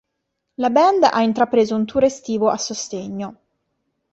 La band ha intrapreso un tour estivo a sostegno.